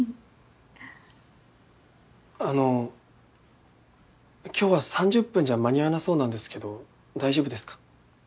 あの今日は３０分じゃ間に合わなそうなんですけど大丈夫ですか？